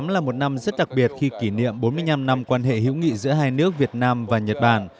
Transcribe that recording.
hai nghìn một mươi tám là một năm rất đặc biệt khi kỷ niệm bốn mươi năm năm quan hệ hữu nghị giữa hai nước việt nam và nhật bản